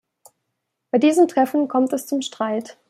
Bei diesem Treffen kommt es zum Streit.